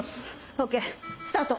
ＯＫスタート。